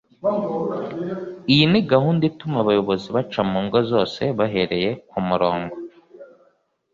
Iyi ni gahunda ituma abayobozi baca mu ngo zose bahereye ku murongo